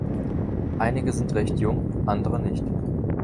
Einige sind recht jung, andere nicht.